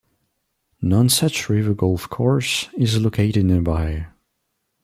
Nonesuch River Golf Course is located nearby.